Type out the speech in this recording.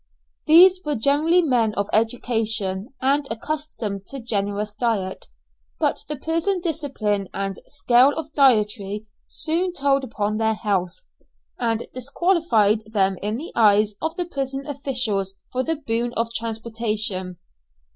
These were generally men of education, and accustomed to generous diet, but the prison discipline and scale of dietary soon told upon their health, and disqualified them in the eyes of the prison officials for the boon of transportation.